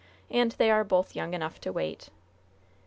And they are both young enough to wait."